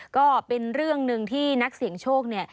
ก็เป็นเรื่องหนึ่งที่นักเสี่ยงโชคเนี่ย